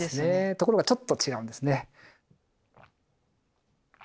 ところがちょっと違うんですね。